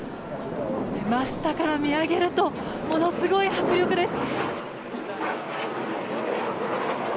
真下から見上げるとものすごい迫力です。